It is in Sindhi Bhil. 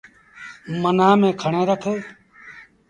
منآن ميٚڻن کڻي رک۔